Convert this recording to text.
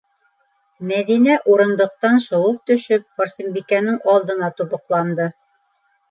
- Мәҙинә, урындыҡтан шыуып төшөп, Барсынбикәнең алдына тубыҡланды.